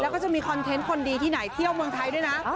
แล้วก็จะมีคอนเทนต์คนดีที่ไหนเที่ยวเมืองไทยด้วยนะ